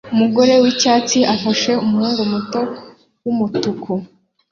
Umugore wicyatsi afashe umuhungu muto wumutuku